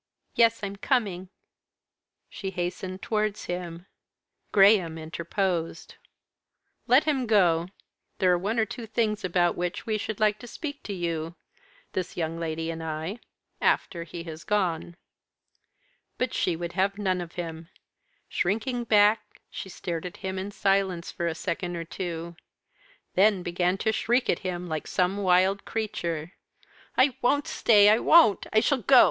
"Yes, I'm coming." She hastened towards him. Graham interposed. "Let him go. There are one or two things about which we should like to speak to you, this young lady and I, after he has gone." But she would have none of him. Shrinking back, she stared at him, in silence, for a second or two; then began to shriek at him like some wild creature. "I won't stay! I won't! I shall go!